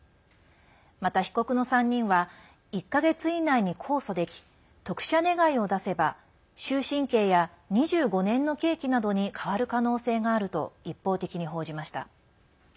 また、被告の３人は１か月以内に控訴でき特赦願いを出せば終身刑や２５年の刑期などに変わる可能性があると一方的に報じました。